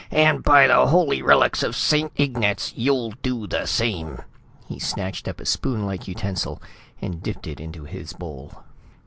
And, by the holy relics of Saint Ignatz, you'll do the same!" He snatched up a spoon like utensil and dipped it into his bowl.